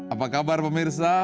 apa kabar pemirsa